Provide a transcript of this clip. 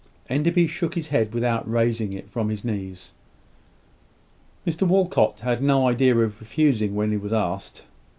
Enderby shook his head without raising it from his knees. Mr Walcot had no idea of refusing when he was asked.